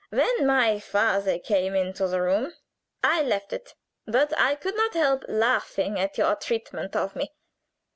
When my father came into the room, I left it. But I could not help laughing at your treatment of me.